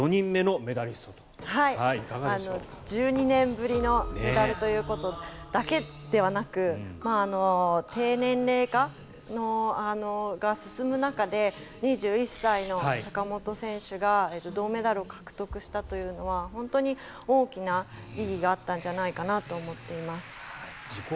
１２年ぶりのメダルということだけではなく低年齢化が進む中で２１歳の坂本選手が銅メダルを獲得したというのは本当に大きな意義があったんじゃないかと思っています。